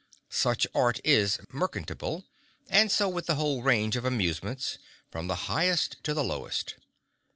Such art is merchantable, and so with the whole range of amusements, from the highest to the lowest.